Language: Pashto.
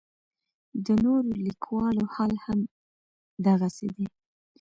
د نورو لیکوالو حال هم دغسې دی.